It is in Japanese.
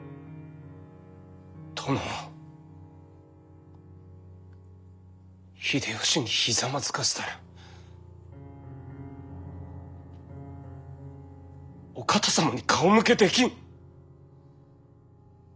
殿を秀吉にひざまずかせたらお方様に顔向けできん！